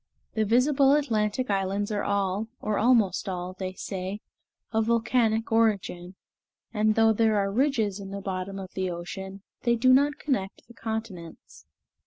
The visible Atlantic islands are all, or almost all, they say, of volcanic origin; and though there are ridges in the bottom of the ocean, they do not connect the continents.